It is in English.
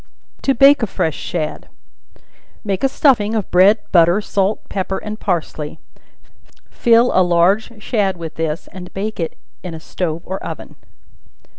To Bake a Fresh Shad. Make a stuffing of bread, butter, salt, pepper and parsley; fill a large shad with this, and bake it in a stove or oven.